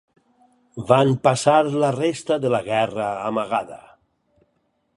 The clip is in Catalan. Van passar la resta de la guerra amagada.